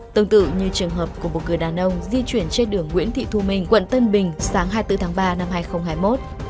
tương tự như trường hợp của một người đàn ông di chuyển trên đường nguyễn thị thu minh quận tân bình sáng hai mươi bốn tháng ba năm hai nghìn hai mươi một